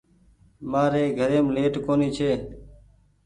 مآري گھريم ليٽ ڪونيٚ ڇي